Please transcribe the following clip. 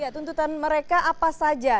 dan mereka apa saja